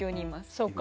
そうか。